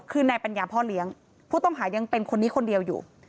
คือนายปัญญาพ่อเลี้ยงผู้ต้องหายังเป็นคนนี้คนเดียวอยู่